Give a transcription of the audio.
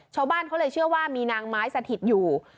ชาวบ้านเขาเลยเชื่อว่ามีนางไม้สถิตอยู่